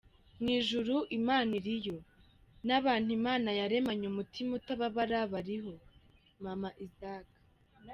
Mu ijuru Imana iriyo, n’abantu Imana yaremanye umutima utabara bariho- Maman Isaac.